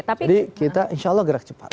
jadi kita insya allah gerak cepat